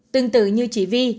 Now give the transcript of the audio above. tương tự như chị vi